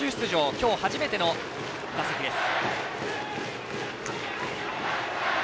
今日初めての打席です。